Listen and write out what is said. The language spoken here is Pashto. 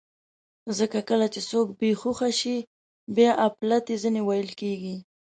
ځکه کله چې څوک بېهوښه شي، بیا اپلتې ځینې ویل کېږي.